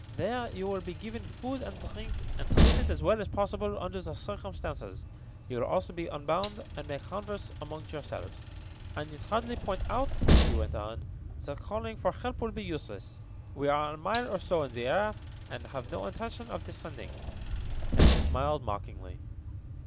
"There you will be given food and drink, and treated as well as possible under the circumstances. You will also be unbound, and may converse among yourselves. I need hardly point out," he went on, "that calling for help will be useless. We are a mile or so in the air, and have no intention of descending," and he smiled mockingly.